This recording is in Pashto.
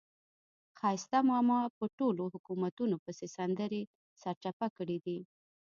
ښایسته ماما په ټولو حکومتونو پسې سندرې سرچپه کړې دي.